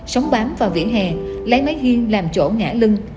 sống bám vào vỉa hè lấy máy ghi làm chỗ ngã lưng